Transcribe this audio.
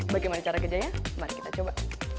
bagaimana cara kerjanya mari kita coba